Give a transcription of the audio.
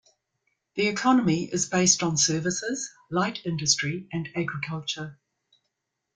The economy is based on services, light industry and agriculture.